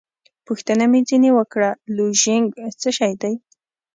پوښتنه مې ځینې وکړه: لوژینګ څه شی دی؟